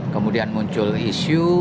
kemudian muncul isu